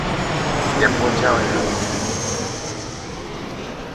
Japuonj cha ohero tije